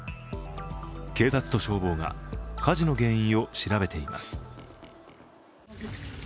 警察と消防が火事の原因を調べています。